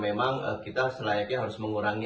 memang kita selayaknya harus mengurangi